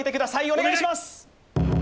お願いします